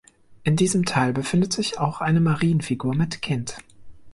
In diesem Teil befindet sich auch eine Marienfigur mit Kind.